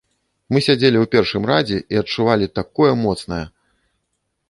Мы сядзелі ў першым радзе і адчувалі такое моцнае!